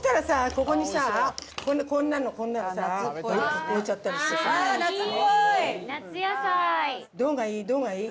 ここにさこんなのこんなのさ置いちゃったりするからどうがいい？